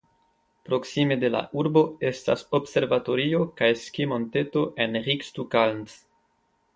Proksime de la urbo estas observatorio kaj skimonteto en Riekstukalns.